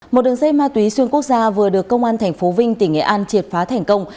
một đường dây ma túy xuyên quốc gia vừa được công an tp vinh tỉnh nghệ an triệt phá thành công